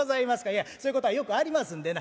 いやそういうことはよくありますんでな。